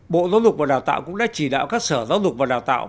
bộ giáo dục và đào tạo cũng đã chỉ đạo các sở giáo dục và đào tạo